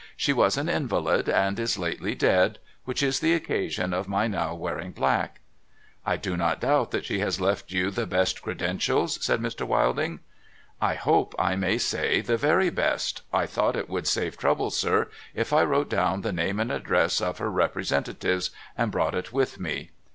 She was an invalid, and is lately dead : which is the occasion of my now wearing black.' ' I do not doubt that she has left you the best credentials ?' said Mr. Wilding. ' I hope I may say, the very best. I thought it would save trouble, sir, if I wrote down the name and address of her representatives, and brought it with me.'